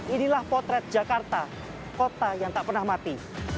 inilah potret jakarta kota yang tak pernah mati